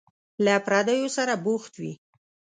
له پردیو سره بوخت وي.